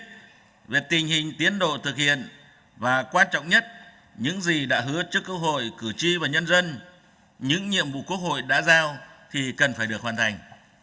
vì vậy về tình hình tiến độ thực hiện và quan trọng nhất những gì đã hứa trước quốc hội cử tri và nhân dân những nhiệm vụ quốc hội đã giao thì cần phải được hoàn thành